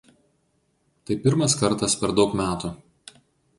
Tai pirmas kartas per daug metų.